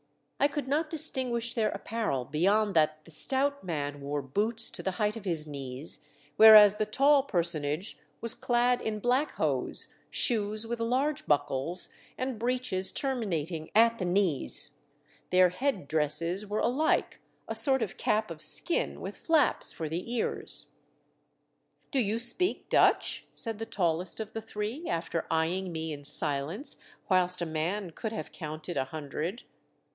I could not distinguish their apparel beyond that the stout man wore boots to the height of his knees, whereas the tall per sonage was clad in black hose, shoes with large buckles, and breeches terminating at the knees ; their head dresses were alike, a sort of cap of skin, with flaps for the ears. " Do you speak Dutch ?" said the tallest of the three, after eyeing me in silence whilst a man could have counted a hundred.